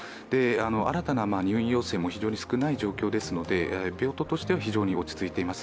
新たな入院要請も非常に少ない状況ですので、病棟としては非常に落ち着いています。